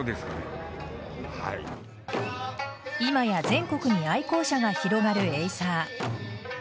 今や全国に愛好者が広がるエイサー。